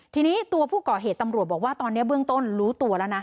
ทีนี้ตัวผู้ก่อเหตุตำรวจบอกว่าตอนนี้เบื้องต้นรู้ตัวแล้วนะ